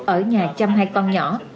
ở nhà chăm hai con nhỏ